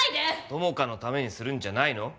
友果のためにするんじゃないの？